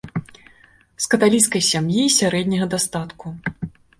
З каталіцкай сям'і сярэдняга дастатку.